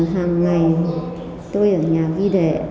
hàng ngày tôi ở nhà ghi đề